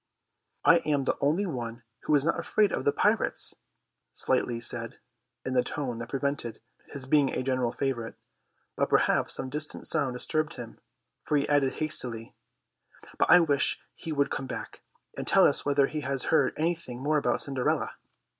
"I am the only one who is not afraid of the pirates," Slightly said, in the tone that prevented his being a general favourite; but perhaps some distant sound disturbed him, for he added hastily, "but I wish he would come back, and tell us whether he has heard anything more about Cinderella."